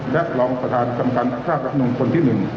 และตลองประธานจำกรรมพระรับโน้นคนที่๑